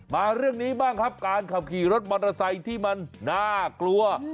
มาเรื่องนี้บ้างครับการขับขี่รถมอเตอร์ไซค์ที่มันน่ากลัว